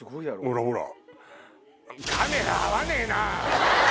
ほらほら！